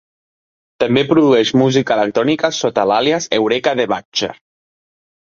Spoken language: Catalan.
També produeix música electrònica sota l'àlies Eureka the Butcher.